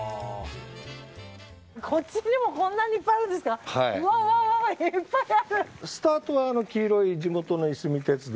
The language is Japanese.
こっちにもこんなにいっぱいあるんですか。